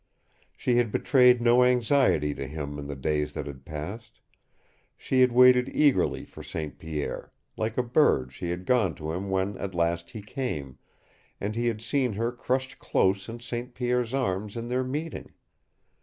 She had betrayed no anxiety to him in the days that had passed; she had waited eagerly for St. Pierre; like a bird she had gone to him when at last he came, and he had seen her crushed close in St. Pierre's arms in their meeting.